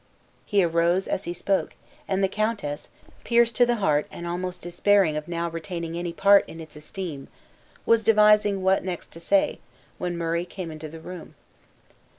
He arose as he spoke, and the countess, pierced to the heart, and almost despairing of now retaining any part in its esteem, was devising what next to say, when Murray came into the room.